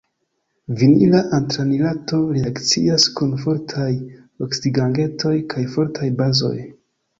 Vinila antranilato reakcias kun fortaj oksidigagentoj kaj fortaj bazoj.